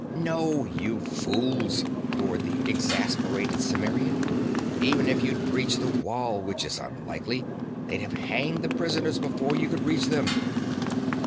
'No, you fools!' roared the exasperated Cimmerian. 'Even if you'd breached the wall, which is unlikely, they'd have hanged the prisoners before you could reach them.'